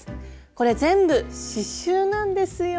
これ全部刺しゅうなんですよ。